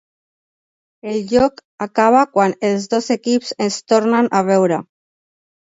El joc acaba quan els dos equips es tornen a veure.